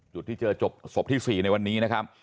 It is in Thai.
จุดที่เจอศพที่๔ในวันนี้นะครับ